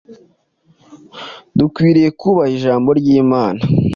Dukwiriye kubaha Ijambo ry’Imana.